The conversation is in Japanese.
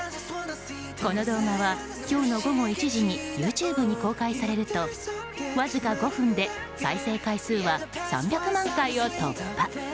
この動画は、今日の午後１時にＹｏｕＴｕｂｅで公開されるとわずか５分で再生回数は３００万回を突破。